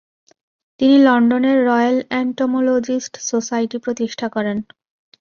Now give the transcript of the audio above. তিনি লন্ডনের royal entomologists society প্রতিষ্ঠা করেন।